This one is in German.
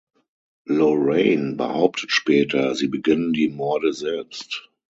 Lorraine behauptet später, sie beging die Morde selbst.